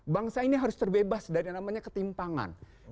bangsa ini harus terbebas dari yang namanya ketimpangan